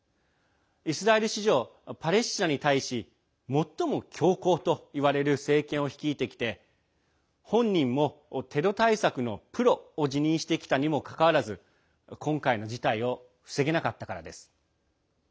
イスラエル史上パレスチナに対し最も強硬といわれる政権を率いてきて本人もテロ対策のプロを自認してきたにもかかわらず今回の事態を防げなかったからです。